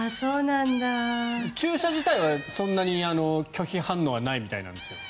注射自体はそんなに拒否反応はないみたいなんですよ。